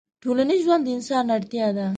ټولنيز ژوند د انسان اړتيا ده